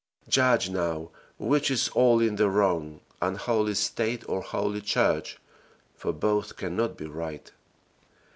Judge now which is all in the wrong, unholy State or holy Church for both cannot be right.